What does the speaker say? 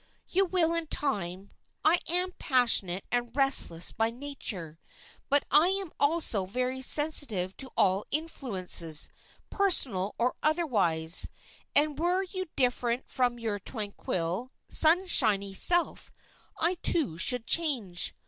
"You will in time. I am passionate and restless by nature, but I am also very sensitive to all influences, personal or otherwise, and were you different from your tranquil, sunshiny self, I too should change.